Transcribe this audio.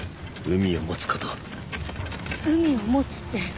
海を持つって。